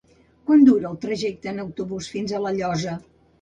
Quant dura el trajecte en autobús fins a La Llosa?